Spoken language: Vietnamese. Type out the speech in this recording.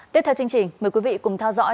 tiếp theo chương trình mời quý vị cùng theo dõi